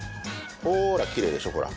ほーらきれいでしょほら。